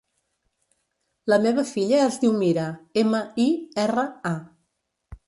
La meva filla es diu Mira: ema, i, erra, a.